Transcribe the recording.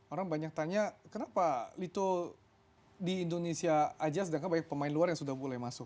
orang banyak tanya kenapa lito di indonesia aja sedangkan banyak pemain luar yang sudah mulai masuk